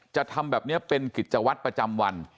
จะทำแบบนี้เป็นกิจวัตรประจำวัน